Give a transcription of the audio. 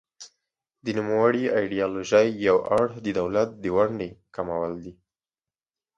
د نوموړې ایډیالوژۍ یو اړخ د دولت د ونډې کمول دي.